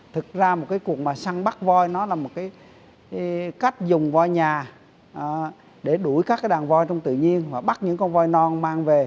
thực ra cuộn săn bắt voi là một cách dùng voi nhà để đuổi các đàn voi trong tự nhiên và bắt con voi non mang về